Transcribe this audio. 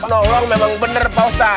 nolong memang bener pak ustadz